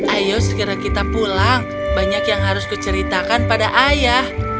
ayo segera kita pulang banyak yang harus kuceritakan pada ayah